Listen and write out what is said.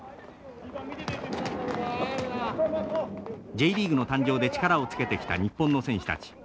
Ｊリーグの誕生で力をつけてきた日本の選手たち。